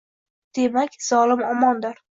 Demak, zolim omondir.